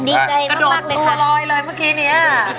กระโดดตัวรอยเลยเมื่อกี้เนี้ย